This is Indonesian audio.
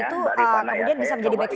itu kemudian bisa menjadi backing